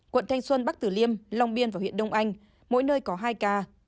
quận thanh xuân bắc tử liêm long biên và huyện đông anh mỗi nơi có hai ca